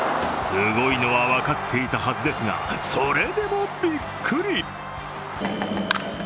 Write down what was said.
すごいのは分かっていたはずですが、それでもびっくり！